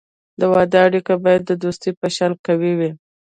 د واده اړیکه باید د دوستی په شان قوي وي.